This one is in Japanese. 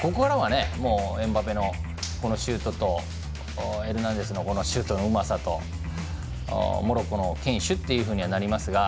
エムバペのシュートとエルナンデスのシュートのうまさとモロッコの堅守っていうふうにはなりますが。